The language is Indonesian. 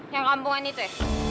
yang kampungan itu ya